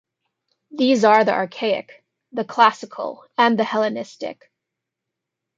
These are the Archaic, the Classical and the Hellenistic.